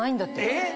えっ